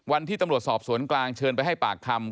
วันที่ตำรวจสอบสวนกลางเชิญไปให้ปากคำ